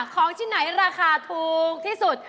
ของที่ไหนราคาถูกที่สุด